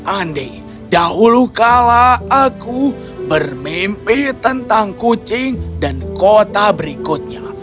andi dahulu kala aku bermimpi tentang kucing dan kota berikutnya